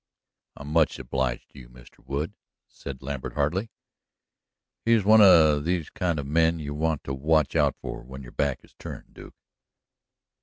"I'm much obliged to you, Mr. Wood," said Lambert heartily. "He's one of these kind of men you want to watch out for when your back's turned, Duke."